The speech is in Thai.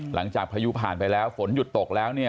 หลังจากพยุผ่านไปแล้วฝนหยุดตกแล้วเนี้ย